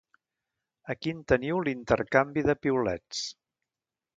Aquí en teniu l’intercanvi de piulets.